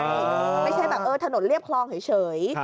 ไม่ใช่แบบเออถนนเรียบคลองเฉย